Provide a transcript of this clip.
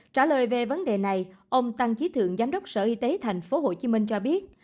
trả lời về vấn đề này ông tăng trí thượng giám đốc sở y tế tp hcm cho biết